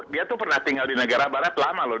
dia tuh pernah tinggal di negara barat lama loh